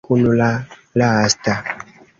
La urbo kontaktiĝas kun la lasta.